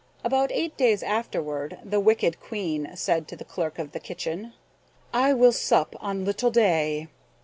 About eight days afterward the wicked Queen said to the clerk of the kitchen, "I will sup on little Day."